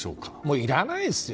いらないですよ。